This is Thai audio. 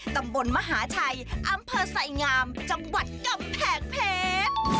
ตำบลมหาชัยอำเภอไสงามจังหวัดกำแพงเพชร